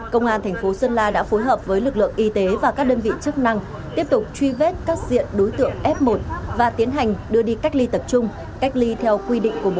công an thành phố sơn la đã phối hợp với lực lượng y tế và các đơn vị chức năng tiếp tục truy vết các diện đối tượng f một và tiến hành đưa đi cách ly tập trung cách ly theo quy định của bộ